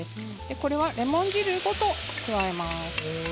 これはレモン汁ごと加えます。